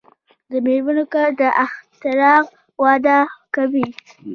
د میرمنو کار د اختراع وده کوي.